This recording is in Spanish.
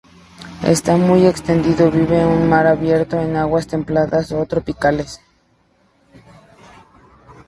Está muy extendido, vive en mar abierto en aguas templadas o tropicales.